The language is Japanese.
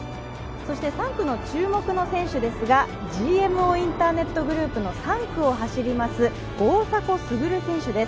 そして３区の注目の選手ですが、ＧＭＯインターネットグループの３区を走ります大迫傑選手です。